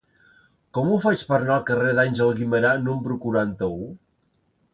Com ho faig per anar al carrer d'Àngel Guimerà número quaranta-u?